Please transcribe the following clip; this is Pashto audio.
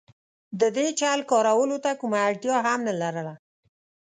د دې چل کارولو ته کومه اړتیا هم نه لرله.